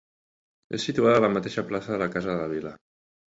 És situada a la mateixa plaça de la Casa de la Vila.